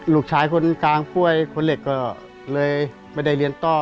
ลูกชายคนกลางป่วยคนเล็กก็เลยไม่ได้เรียนต่อ